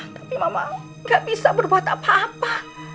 tapi mama gak bisa berbuat apa apa